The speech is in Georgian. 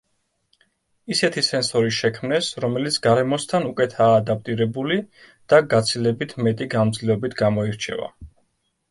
ისეთი სენსორი შექმნეს, რომელიც გარემოსთან უკეთაა ადაპტირებული და გაცილებით მეტი გამძლეობით გამოირჩევა.